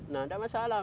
nah tidak masalah